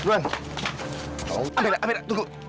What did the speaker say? amira amira tunggu